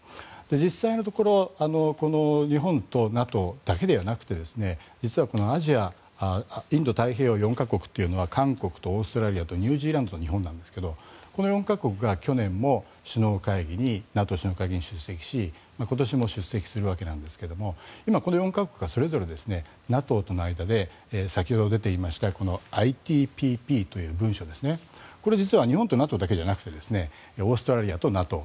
実際のところこの日本とＮＡＴＯだけでなく実はアジアインド太平洋４か国というのは韓国とオーストラリアとニュージーランドと日本なんですがこの４か国が去年もＮＡＴＯ首脳会議に出席し今年も出席するんですが今、この４か国がそれぞれＮＡＴＯとの間で先ほど出ていましたＩＴＰＰという文書ですねこれ実は日本とＮＡＴＯだけじゃなくてオーストラリアとＮＡＴＯ